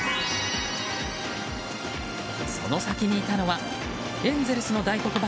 その先にいたのはエンゼルスの大黒柱